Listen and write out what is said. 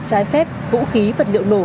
trái phép vũ khí vật liệu nổ